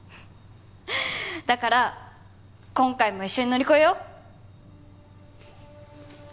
だから今回も一緒に乗り越えよう！